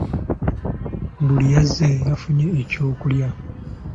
Buli yazze yafunye ekyokulya.